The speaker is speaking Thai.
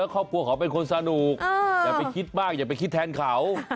ครอบครัวเขาเป็นคนสนุกอย่าไปคิดมากอย่าไปคิดแทนเขา